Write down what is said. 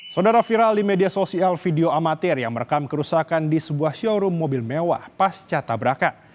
saudara viral di media sosial video amatir yang merekam kerusakan di sebuah showroom mobil mewah pasca tabrakan